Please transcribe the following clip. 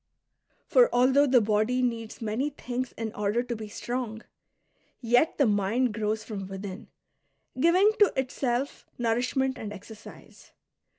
For although the body needs many things in order to be strong, yet the mind grows from within, giving to itself nourishment and exercise.